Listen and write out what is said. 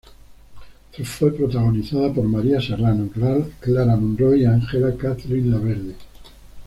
Fue protagonizada por María Serrano, Clara Monroy y Ángela Katherine Laverde.